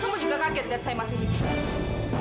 kamu juga kaget lihat saya masih hidup